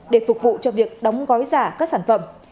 để phục vụ cho việc đóng gói giả các sản phẩm